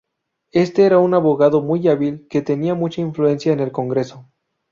Este era un abogado muy hábil que tenía mucha influencia en el Congreso.